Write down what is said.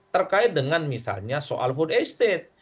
terkait dengan misalnya soal food estate